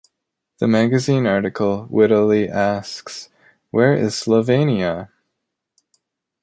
The magazine article wittily asks Where is Slovenia?